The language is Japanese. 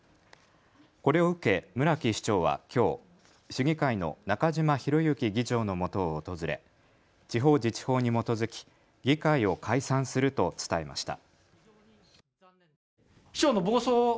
これを受け、村木市長はきょう市議会の中嶋博幸議長のもとを訪れ地方自治法に基づき議会を解散すると伝えました。